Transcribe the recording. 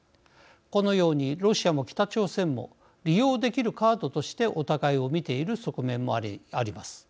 このようにロシアも北朝鮮も利用できるカードとしてお互いを見ている側面もあります。